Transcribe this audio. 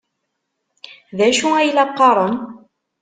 D acu ay la qqaren?